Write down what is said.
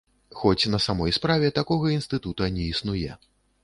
Хоць на самой справе такога інстытута не існуе.